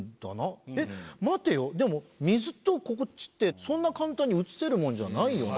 えっ待てよでも水とこっちってそんな簡単に映せるもんじゃないよなと。